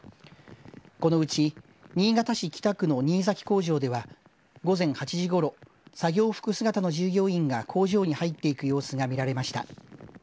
このうち新潟市北区の新崎工場では午前８時ごろ、作業服姿の従業員が工場に入っていく様子が見られました。